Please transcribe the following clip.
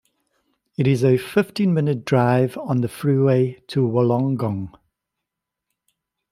It is a fifteen-minute drive on the freeway to Wollongong.